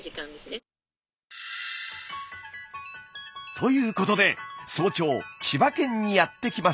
ということで早朝千葉県にやって来ました。